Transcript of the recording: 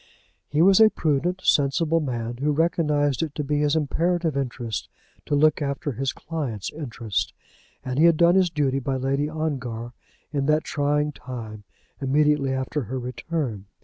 He was a prudent, sensible man, who recognized it to be his imperative interest to look after his client's interest. And he had done his duty by Lady Ongar in that trying time immediately after her return.